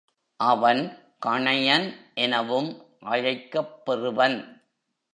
அவன் கணையன் எனவும் அழைக்கப் பெறுவன்.